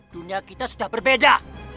dunia kita sudah berbeda